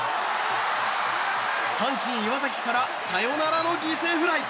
阪神、岩崎からサヨナラの犠牲フライ！